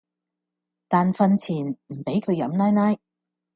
但訓前唔俾佢飲奶奶